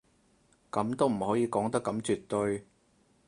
噉都唔可以講得咁絕對